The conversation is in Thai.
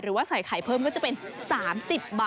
ว่าใส่ไข่เพิ่มก็จะเป็น๓๐บาท